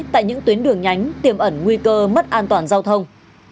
tại những tuyến đường nhánh tiềm ẩn nguy cơ mất an toàn giao thông